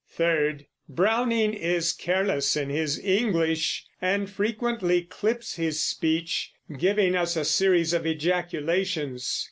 Third, Browning is careless in his English, and frequently clips his speech, giving us a series of ejaculations.